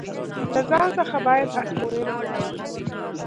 له ځان څخه باید ازموینه واخلو.